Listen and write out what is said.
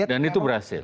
dan itu berhasil